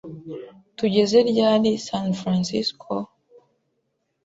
Tugeze ryari San Francisco?